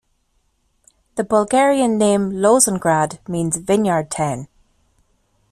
The Bulgarian name Lozengrad means "Vineyard Town".